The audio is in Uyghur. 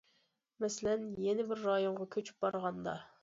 مەسىلەن، يەنە بىر رايونغا كۆچۈپ بارغاندا.